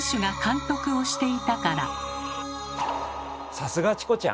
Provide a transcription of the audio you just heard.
さすがチコちゃん！